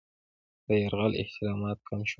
د یرغل احتمالات کم شول.